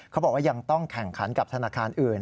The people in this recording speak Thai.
เขาบอกว่ายังต้องแข่งขันกับธนาคารอื่น